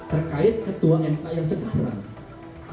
terkait ketua mk yang sekarang